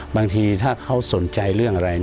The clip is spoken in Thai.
บางทีถ้าเขาสนใจเรื่องอะไร